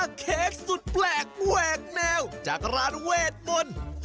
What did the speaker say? เค้กสุดแปลกแหวกแนวจากร้านเวทมนต์